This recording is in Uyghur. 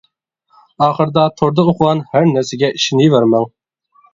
ئاخىرىدا، توردا ئوقۇغان ھەر نەرسىگە ئىشىنىۋەرمەڭ.